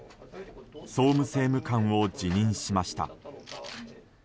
総務政務官を辞任しました。